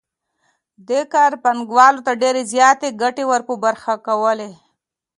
دې کار پانګوال ته ډېرې زیاتې ګټې ور په برخه کولې